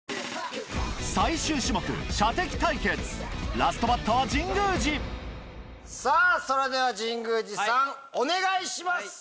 ラストバッターはさぁそれでは神宮寺さんお願いします。